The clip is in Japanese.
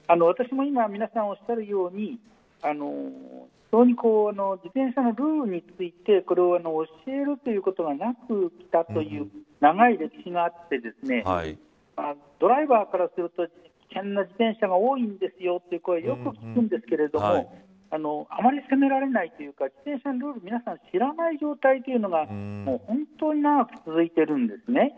私も今皆さんがおっしゃるように自転車のルールについて教えるということがなくきたという長い歴史があってドライバーからすると危険な自転車が多いんですよという声をよく聞くんですけれどあまり責められないというか自転車のルールを皆さん知らない状態というのが本当に長く続いているんですね。